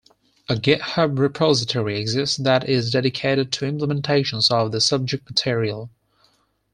A github repository exists that is dedicated to implementations of the subject material.